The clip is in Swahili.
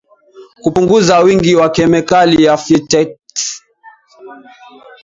Kupunguza wingi wa kemikali ya phytates